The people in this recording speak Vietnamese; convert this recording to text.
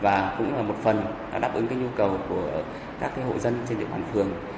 và cũng là một phần đã đáp ứng nhu cầu của các hộ dân trên địa bàn phường